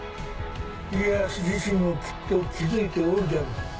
家康自身もきっと気付いておるじゃろ。